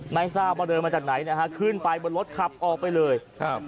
ไม่ทราบว่าเดินมาจากไหนนะฮะขึ้นไปบนรถขับออกไปเลยครับ